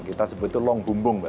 kita sebut itu long bumbung mbak